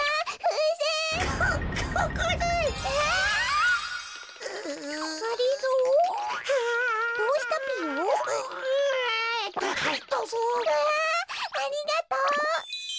うわありがとう！